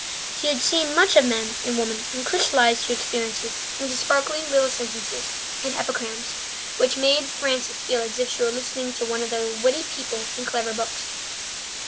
She had seen much of men and women and crystallized her experiences into sparkling little sentences and epigrams which made Frances feel as if she were listening to one of the witty people in clever books.